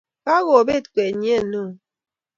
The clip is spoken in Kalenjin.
Kagopet kwenyiet neeo